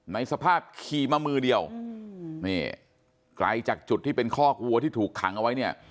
ในสภาพขี่มามือเดียวนี่ไกลจากจุดที่เป็นคอกวัวที่ถูกขังเอาไว้เนี่ย